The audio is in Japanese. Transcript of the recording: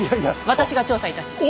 私が調査いたします。